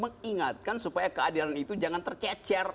mengingatkan supaya keadilan itu jangan tercecer